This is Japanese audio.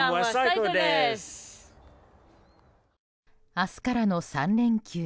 明日からの３連休。